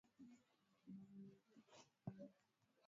Alipuuza agizo la mamake